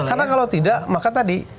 karena kalau tidak maka tadi